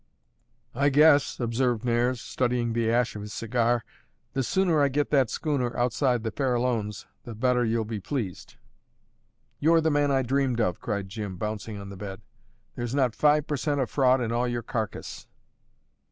"I guess," observed Nares, studying the ash of his cigar, "the sooner I get that schooner outside the Farallones, the better you'll be pleased." "You're the man I dreamed of!" cried Jim, bouncing on the bed. "There's not five per cent of fraud in all your carcase."